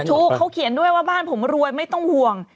ถูกเขาเขียนด้วยว่าบ้านผมรวยไม่ต้องห่วง